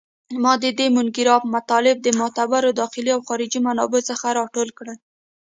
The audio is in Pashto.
ما د دې مونوګراف مطالب د معتبرو داخلي او خارجي منابعو څخه راټول کړل